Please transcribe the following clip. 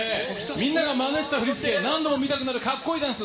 みんながまねした振付、何度も見たくなるかっこいいダンス。